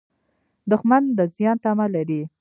دښمن د زیان تمه لري